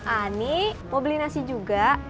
ani mau beli nasi juga